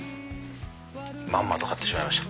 まんまと買ってしまいました。